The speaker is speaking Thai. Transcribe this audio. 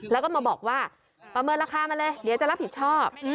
แล้วก็มาบอกว่าประเมินราคามาเลยเดี๋ยวจะรับผิดชอบ